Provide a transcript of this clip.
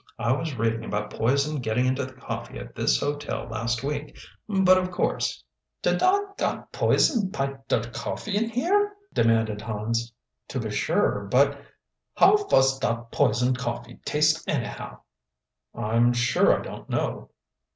"I was reading about poison getting into the coffee at this hotel last week. But, of course " "Did da got poison py der coffee in here?" demanded Hans. "To be sure, put " "How vos dot poisoned coffee taste annahow?" "I'm sure I don't know."